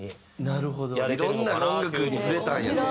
いろんな音楽に触れたんや。